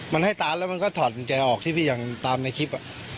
มันให้ตาแล้วมันก็ถอดกุญแจออกที่พี่อย่างตามในคลิป